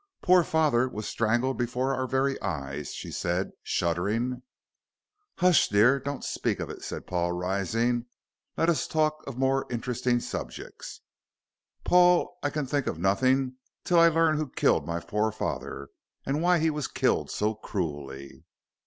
Poor father was strangled before our very eyes," she said, shuddering. "Hush, dear. Don't speak of it," said Paul, rising. "Let us talk of more interesting subjects." "Paul, I can think of nothing till I learn who killed my poor father, and why he was killed so cruelly."